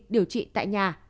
điều trị tại nhà